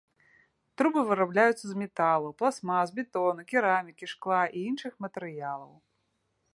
Трубы вырабляюцца з металаў, пластмас, бетону, керамікі, шкла і іншых матэрыялаў.